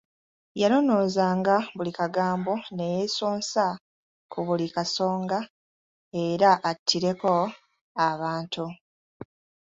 Yanonoozanga buli kagambo, ne yeesonsa ku buli kasonga era attireko abantu.